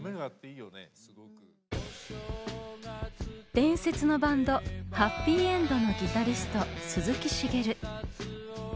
伝説のバンド「はっぴいえんど」のギタリスト鈴木茂。